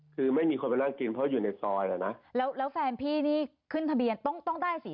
คือไม่มีคนไปนั่งกินเพราะอยู่ในซอยอ่ะนะแล้วแล้วแฟนพี่นี่ขึ้นทะเบียนต้องต้องได้สิ